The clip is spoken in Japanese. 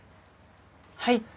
はい。